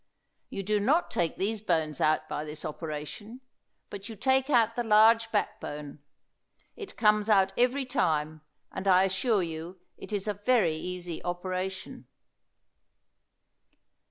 You do not take these bones out by this operation, but you take out the large back bone. It comes out every time, and I assure you it is a very easy operation.